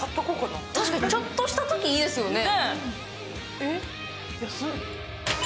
確かに、ちょっとしたときいいですよね。